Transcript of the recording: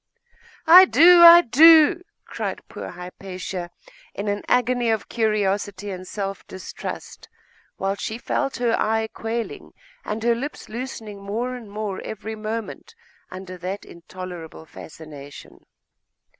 'I do! I do!' cried poor Hypatia, in an agony of curiosity and self distrust, while she felt her eye quailing and her limbs loosening more and more every moment under that intolerable fascination.